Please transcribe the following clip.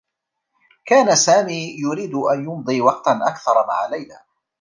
كان سامي يريد أن يمضي وقتا أكثر مع ليلى.